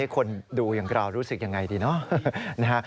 ให้คนดูอย่างกล่าวรู้สึกอย่างไรดีเนอะ